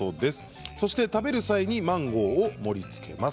そして食べる際にマンゴーを盛りつけます。